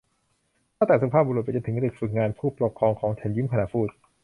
ตั้งแต่สุภาพบุรุษไปจนถึงเด็กฝึกงาน ผู้ปกครองของฉันยิ้มขณะพูด